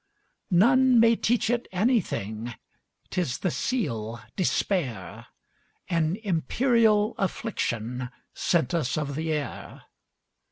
None may teach it anything,'T is the seal, despair,—An imperial afflictionSent us of the air.